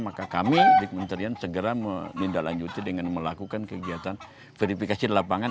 maka kami di kementerian segera menindaklanjuti dengan melakukan kegiatan verifikasi di lapangan